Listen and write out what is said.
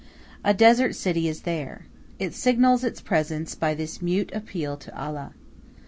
A desert city is there. It signals its presence by this mute appeal to Allah.